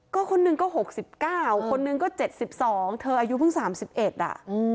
ก็คนนึงก็หกสิบเก้าคนนึงก็เจ็ดสิบสองเธออายุเพิ่งสามสิบเอ็ดอะ